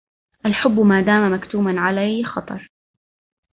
الحب ما دام مكتوما علي خطر